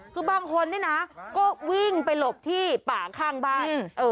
คือบางคนนี่นะก็วิ่งไปหลบที่ป่าข้างบ้าน